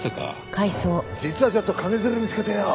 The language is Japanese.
実はちょっと金づる見つけてよ。